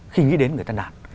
khi nghĩ đến người ta nản